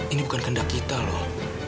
ini bukan kendak kita loh